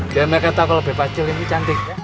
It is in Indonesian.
biar mereka tau kalau bebacil ini cantik